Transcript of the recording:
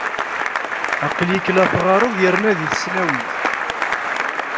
Aqel-ik la teɣɣareḍ yerna deg tesnawit ?